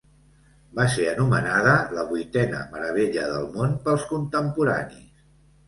Va ser anomenada la "vuitena meravella del món" pels contemporanis.